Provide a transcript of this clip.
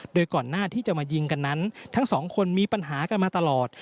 โดยก่อนหน้าที่จะมายิงกันนั้นทั้งสองคนมีปัญหากันมาตลอด